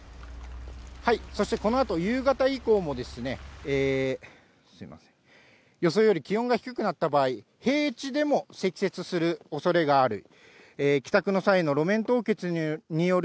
そしてこのあと、夕方以降もですね、予想より気温が低くなった場合、平地でも積雪するおそれがある。